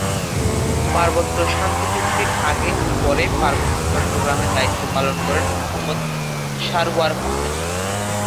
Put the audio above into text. পার্বত্য শান্তি চুক্তির আগে ও পরে পার্বত্য চট্টগ্রামে দায়িত্ব পালন করেন মো: সারওয়ার হোসেন।